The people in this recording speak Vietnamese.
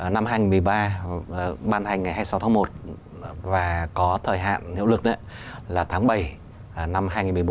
năm hai nghìn một mươi ba ban hành ngày hai mươi sáu tháng một và có thời hạn hiệu lực là tháng bảy năm hai nghìn một mươi bốn